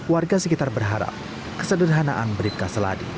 warga sekitar berharap kesederhanaan bribka seladi